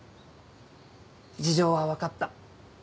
事情は分かった。